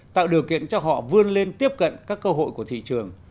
tạo điều kiện cho họ vươn lên tiếp cận các cơ hội của thị trường